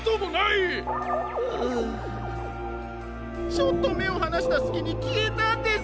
ちょっとめをはなしたすきにきえたんです。